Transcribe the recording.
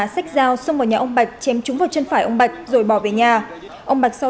sách dao xông vào nhà ông bạch chém trúng vào chân phải ông bạch rồi bỏ về nhà ông bạch sâu